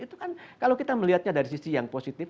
itu kan kalau kita melihatnya dari sisi yang positif